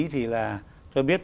thì là tôi biết